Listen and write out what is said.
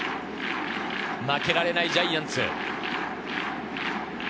負けられないジャイアンツ。